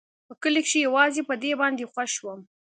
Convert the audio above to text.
په کلي کښې يوازې په دې باندې خوښ وم.